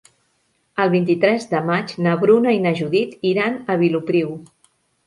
El vint-i-tres de maig na Bruna i na Judit iran a Vilopriu.